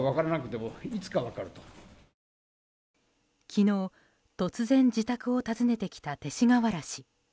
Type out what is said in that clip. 昨日、突然自宅を訪ねてきた勅使河原氏。